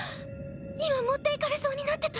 今持っていかれそうになってた。